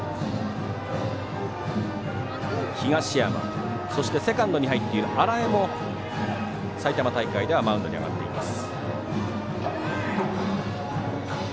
東山、そしてセカンドに入っている荒江も埼玉大会ではマウンドに上がっています。